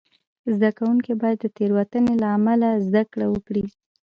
زده کوونکي باید د تېروتنې له امله زده کړه وکړي.